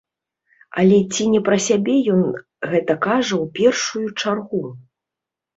Але ці не пра сябе ён гэта кажа ў першую чаргу?